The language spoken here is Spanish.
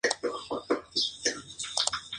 Leger Stakes.